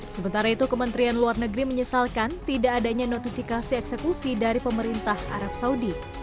sementara itu kementerian luar negeri menyesalkan tidak adanya notifikasi eksekusi dari pemerintah arab saudi